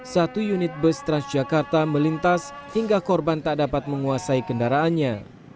satu unit bus transjakarta melintas hingga korban tak dapat menguasai kendaraannya